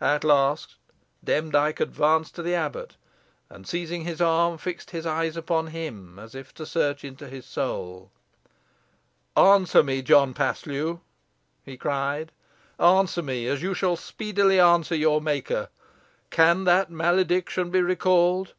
At last Demdike advanced to the abbot, and, seizing his arm, fixed his eyes upon him, as if to search into his soul. "Answer me, John Paslew!" he cried; "answer me, as you shall speedily answer your Maker. Can that malediction be recalled?